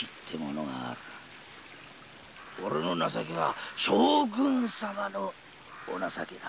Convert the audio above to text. オレの情けは「将軍様のお情け」だ。